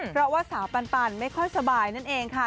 เพราะว่าสาวปันไม่ค่อยสบายนั่นเองค่ะ